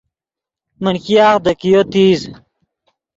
من ګیاغ دے کئیو تیز